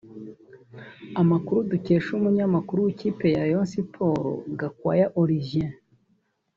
Amakuru dukesha Umunyamabanga Mukuru w’ikipe ya Rayon Sports Gakwaya Olivier